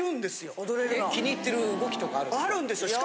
気に入ってる動きとかあるんですか？